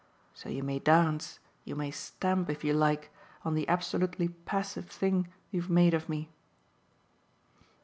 So you may dance, you may stamp, if you like, on the absolutely passive thing you've made of me."